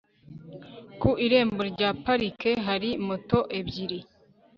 ku irembo rya parike hari moto ebyiri